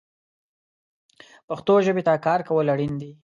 پښتو ژبې ته کار کول اړین دي